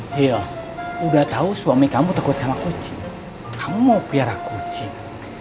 ciho udah tahu suami kambu tegur sama kucing kamu mau pelahara kucing